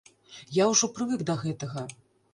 Я ўжо прывык да гэтага.